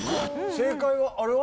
正解はあれは？